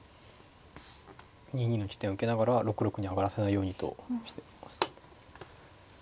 ２二の地点を受けながら６六に上がらせないようにとしてます。